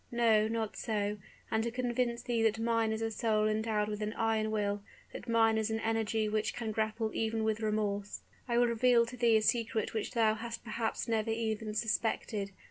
No, not so: and to convince thee that mine is a soul endowed with an iron will, that mine is an energy which can grapple even with remorse, I will reveal to thee a secret which thou hast perhaps never even suspected.